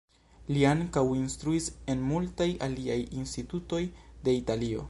Li ankaŭ instruis en multaj aliaj institutoj de Italio.